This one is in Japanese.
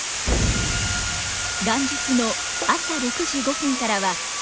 元日の朝６時５分からは舞楽。